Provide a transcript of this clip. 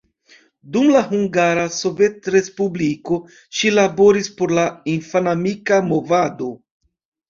Dum la Hungara Sovetrespubliko ŝi laboris por la infanamika movado.